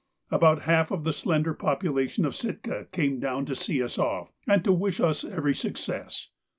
About half of the slender population of Sitka came down to see us off, and to wish us every success.